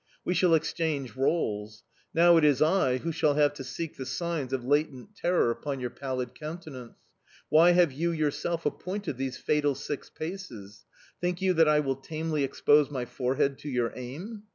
We shall exchange roles: now it is I who shall have to seek the signs of latent terror upon your pallid countenance. Why have you yourself appointed these fatal six paces? Think you that I will tamely expose my forehead to your aim?...